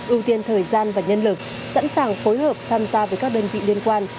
ưu tiên thời gian và nhân lực sẵn sàng phối hợp tham gia với các đơn vị liên quan